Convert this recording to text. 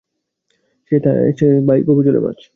সে ভাই গভীর জলের মাছ!